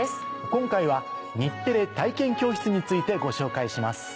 今回は日テレ体験教室についてご紹介します。